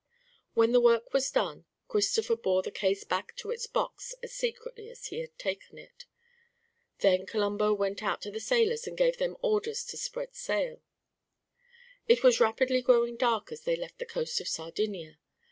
When the work was done Christopher bore the case back to its box as secretly as he had taken it. Then Colombo went out to the sailors and gave them orders to spread sail. It was rapidly growing dark as they left the coast of Sardinia.